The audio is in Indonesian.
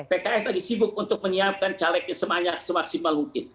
pks tadi sibuk untuk menyiapkan calegnya semaksimal mungkin